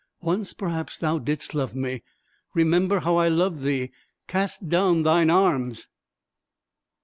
Once, perhaps, thou didst love me; remember how I loved thee cast down thine arms."